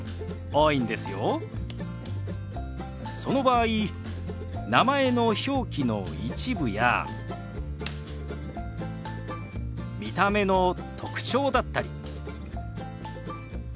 その場合名前の表記の一部や見た目の特徴だったり。